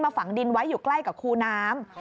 ฝังดินไว้อยู่ใกล้กับคูน้ำ